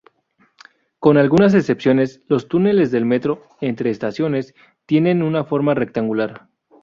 Con algunas excepciones, los túneles del metro entre estaciones tienen una forma rectangular.